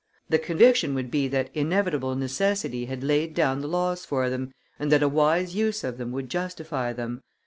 The conviction would be that inevitable necessity had laid down the laws for them, and that a wise use of them would justify them